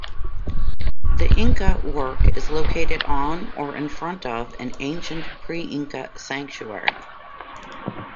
The Inca work is located on, or in front of, an ancient pre-Inca sanctuary.